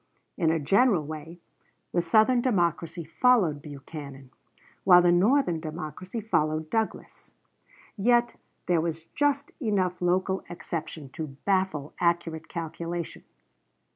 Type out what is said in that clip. In a general way the Southern Democracy followed Buchanan, while the Northern Democracy followed Douglas. Yet there was just enough local exception to baffle accurate calculation.